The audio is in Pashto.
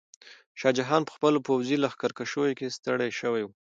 شاه جهان په خپلو پوځي لښکرکشیو کې ستړی شوی و.